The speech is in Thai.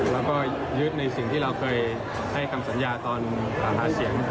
แล้วก็ยึดในสิ่งที่เราเคยให้คำสัญญาตอนหาเสียง